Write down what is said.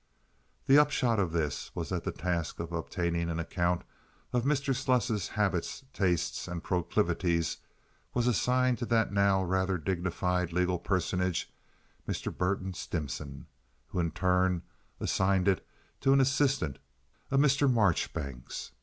The upshot of this was that the task of obtaining an account of Mr. Sluss's habits, tastes, and proclivities was assigned to that now rather dignified legal personage, Mr. Burton Stimson, who in turn assigned it to an assistant, a Mr. Marchbanks.